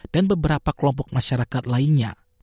dan beberapa kelompok masyarakat lainnya